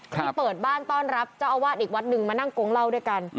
ที่เปิดบ้านต้อนรับเจ้าอาวาสอีกวัดหนึ่งมานั่งโกงเล่าด้วยกัน